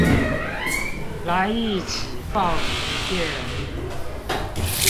來一起放影片